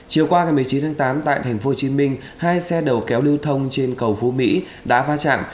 chiều qua ngày một mươi chín tháng tám tại tp hcm hai xe đầu kéo lưu thông trên cầu phú mỹ đã va chạm